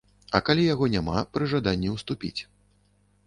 А калі яго няма, пры жаданні ўступіць.